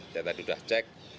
saya tadi sudah cek